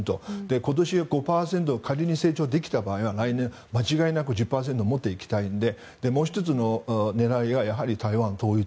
今年５％仮に成長できた場合は来年は間違いなく１０％に持っていきたいのでもう１つの狙いが台湾統一。